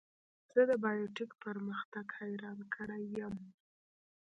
زه د بایو ټیک پرمختګ حیران کړی یم.